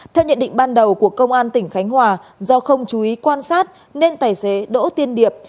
theo nhận định ban đầu của công an tỉnh khánh hòa do không chú ý quan sát nên tài xế đỗ tiên điệp